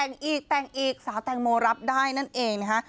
เขาบอกว่าแต่งอีกแต่งอีกสาวแต่งโมรับได้นั่นเอง